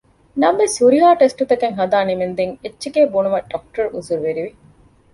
ނަމަވެސް ހުރިހާ ޓެސްޓުތަކެއް ހަދާ ނިމެންދެން އެއްޗެކޭ ބުނުމަށް ޑޮކްޓަރު އުޒުރުވެރި ވި